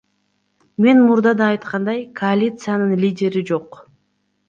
Мен мурда да айткандай, коалициянын лидери жок.